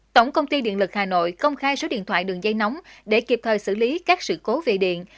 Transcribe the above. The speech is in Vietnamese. tổng công ty điện lực hà nội công khai số điện thoại đường dây nóng để kịp thời xử lý các sự cố về điện